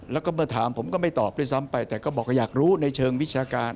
แล้วก็เมื่อถามผมก็ไม่ตอบด้วยซ้ำไปแต่ก็บอกว่าอยากรู้ในเชิงวิชาการ